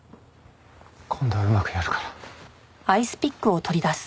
今度はうまくやるから。